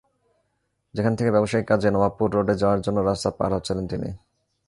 সেখান থেকে ব্যবসায়িক কাজে নবাবপুর রোডে যাওয়ার জন্য রাস্তা পার হচ্ছিলেন তিনি।